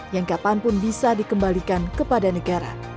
yang kapanpun bisa dikembalikan kepada negara